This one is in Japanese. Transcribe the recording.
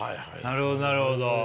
なるほどなるほど。